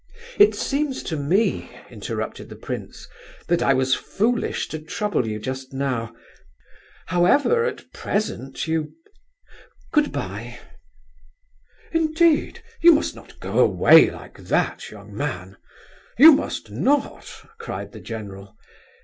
"It seems to me," interrupted the prince, "that I was foolish to trouble you just now. However, at present you... Good bye!" "Indeed, you must not go away like that, young man, you must not!" cried the general.